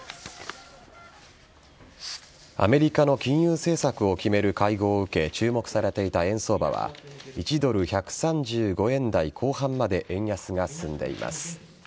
アメリカの金融政策を決める会合を受け注目されていた円相場は１ドル１３５円台後半まで円安が進んでいます。